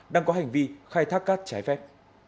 đang có hành vi khai thác cát trái phép